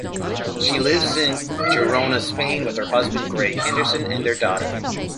She lives in Girona, Spain, with her husband, Greg Henderson, and their daughter.